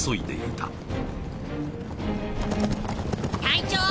隊長！